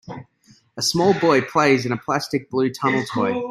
A small boy plays in a plastic blue tunnel toy.